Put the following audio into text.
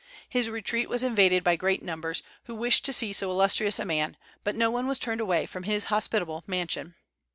His retreat was invaded by great numbers, who wished to see so illustrious a man, but no one was turned away from his hospitable mansion.